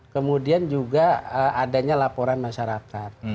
kemudian juga adanya laporan masyarakat